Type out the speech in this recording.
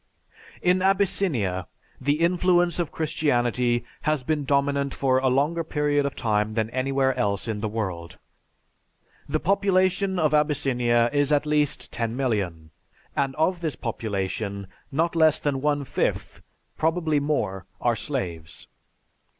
"_) In Abyssinia, the influence of Christianity has been dominant for a longer period of time than anywhere else in the world. The population of Abyssinia is at least ten million, and of this population not less than one fifth, probably more, are slaves.